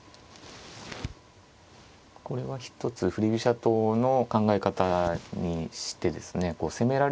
これは一つ振り飛車党の考え方にしてですね